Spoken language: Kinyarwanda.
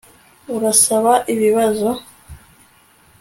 Urasaba ibibazo